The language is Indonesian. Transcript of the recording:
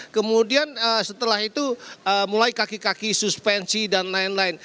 kemudian setelah itu mulai kaki kaki suspensi dan lain lain